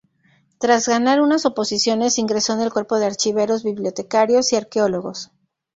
Tras ganar unas oposiciones, ingresó en el Cuerpo de Archiveros, Bibliotecarios y Arqueólogos.